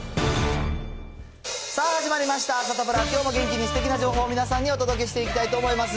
さあ始まりました、サタプラ、きょうも元気にすてきな情報を皆さんにお届けしていきたいと思います。